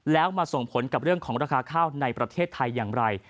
แล้วมาส่งผลกับเรื่องของราคาข้าวในประเทศไทยอย่างไร